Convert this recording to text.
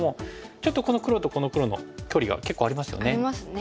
ちょっとこの黒とこの黒の距離が結構ありますよね。ありますね。